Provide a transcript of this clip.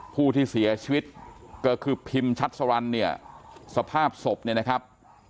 ผู้ที่เสียชีวิตก็คือพิมชัดสรรเนี่ยสภาพศพเนี่ยนะครับ